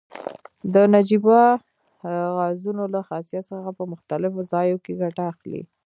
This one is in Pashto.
د نجیبه غازونو له خاصیت څخه په مختلفو ځایو کې ګټه اخلي.